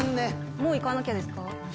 もう行かなきゃですか？